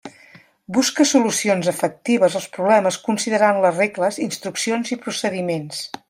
Busca solucions efectives als problemes considerant les regles, instruccions i procediments.